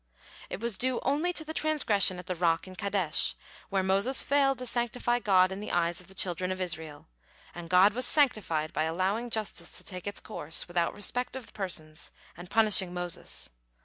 It was due only to the transgression at the rock in Kadesh, where Moses failed to sanctify God in the eyes of the children of Israel; and God was sanctified by allowing justice to take its course without respect of persons, and punishing Moses.